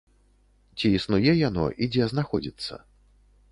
Ці існуе яно і дзе знаходзіцца?